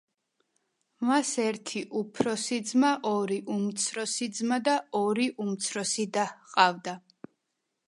მას ერთი უფროსი ძმა, ორი უმცროსი ძმა და ორი უმცროსი და ჰყავდა.